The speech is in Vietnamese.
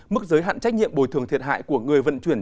mức giới hạn trách nhiệm bồi thường thiệt hại của người vận chuyển